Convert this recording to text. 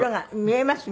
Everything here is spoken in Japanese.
見えます？